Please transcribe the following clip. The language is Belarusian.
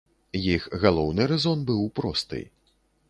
Іх галоўны рэзон быў просты.